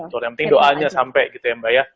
kalau yang penting doanya sampai gitu ya mbak ya